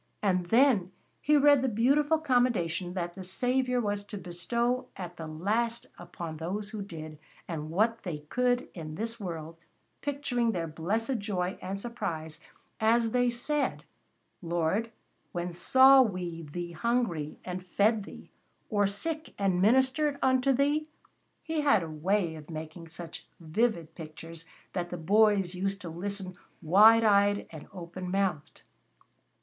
And then he read the beautiful commendation that the Saviour was to bestow at the last upon those who did what they could in this world, picturing their blessed joy and surprise as they said: "Lord, when saw we Thee hungry and fed Thee, or sick and ministered unto Thee?" He had a way of making such vivid pictures that the boys used to listen wide eyed and open mouthed.